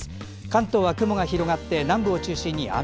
関東は雲が広がり南部を中心に雨。